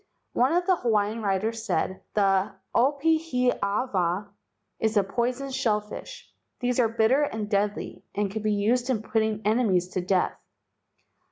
One of the Hawaiian writers said: "The opihi awa is a poison shell fish. These are bitter and deadly and can be used in putting enemies to death.